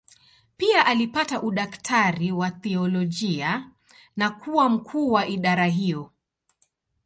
Pia alipata udaktari wa teolojia na kuwa mkuu wa idara hiyo.